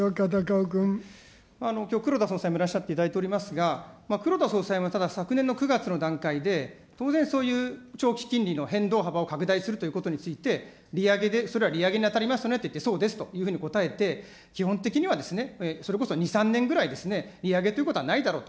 きょう、黒田総裁もいらっしゃっていただいていますが、黒田総裁も、ただ昨年の９月の段階で、当然そういう長期金利の変動幅を拡大するということについて、利上げで、それは利上げに当たりますよねと言って、そうですというふうにこたえて、基本的には、それこそ２、３年ぐらいですね、利上げということはないだろうと。